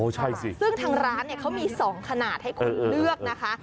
ใช่สิซึ่งทางร้านเนี่ยเขามี๒ขนาดให้คุณเลือกนะคะ